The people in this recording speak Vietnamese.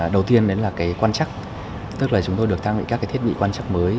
đầu tiên là quan chắc tức là chúng tôi được tham dự các thiết bị quan chắc mới